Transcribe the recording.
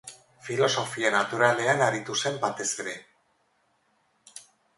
Filosofia naturalean aritu zen batez ere.